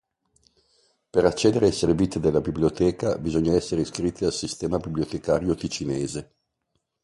Per accedere ai servizi della biblioteca bisogna essere iscritti al sistema bibliotecario ticinese.